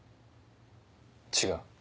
違う？